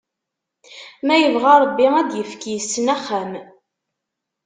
Ma ibɣa Ṛebbi ad d-ifk, yessen axxam.